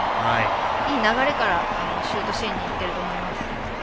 いい流れからシュートシーンに行っていると思います。